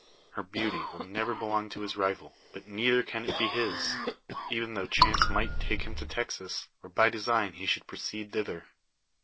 Her beauty will never belong to his rival; but neither can it be his, even though chance might take him to Texas, or by design he should proceed thither.